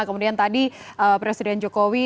kemudian tadi presiden jokowi